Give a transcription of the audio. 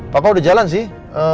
papa udah jalan sih